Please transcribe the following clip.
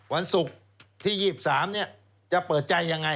วันศุกร์ที่๒๓เนี่ยจะเปิดใจอย่างไร